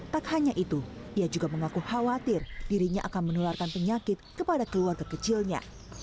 tak hanya itu ia juga mengaku khawatir dirinya akan menularkan penyakit kepada keluarga kecilnya